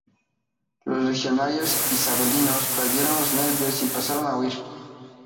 Los legionarios isabelinos perdieron los nervios y empezaron a huir.